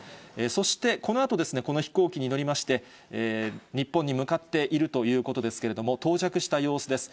そしてこのあとこの飛行機に乗りまして、日本に向かっているということですけれども、到着した様子です。